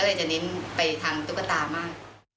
ก็เลยจะเน้นไปทางตุ๊กตามั่ง